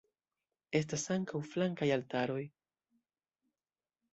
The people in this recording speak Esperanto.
Estas ankaŭ flankaj altaroj.